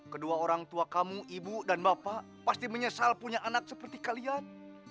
kedua orang tua kamu ibu dan bapak pasti menyesal punya anak seperti kalian